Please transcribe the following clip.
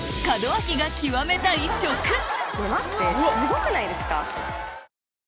この後すごくないですか